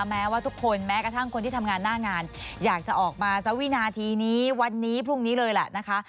แม้ว่าทุกคนแม้กระทั่งคนที่ทำงานหน้างานอยากจะออกมาสักวินาทีนี้วันนี้พรุ่งนี้เลยแหละนะคะ